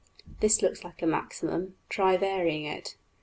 This looks like a maximum: try varying it.